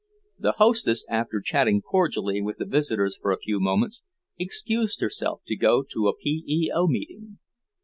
The hostess, after chatting cordially with the visitors for a few moments, excused herself to go to a P. E. O. meeting.